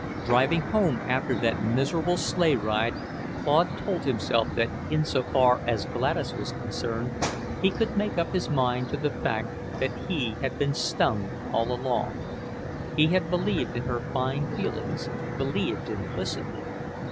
Driving home after that miserable sleigh ride, Claude told himself that in so far as Gladys was concerned he could make up his mind to the fact that he had been "stung" all along. He had believed in her fine feelings; believed implicitly.